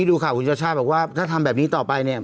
ถูกค่ะคุณเจ้าชาวบอกว่าถ้าทำแบบนี้ต่อไปเนี่ย